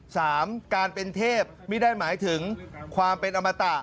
สามการเป็นเทพไม่ได้หมายถึงความเป็นอมตะ